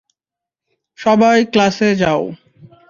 সবাই ক্লাসে যাও।